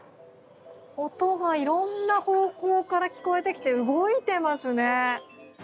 音がいろんな方向から聞こえてきて動いてますね。